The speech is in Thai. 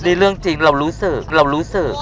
นี่เรื่องจริงเรารู้สึกเรารู้สึก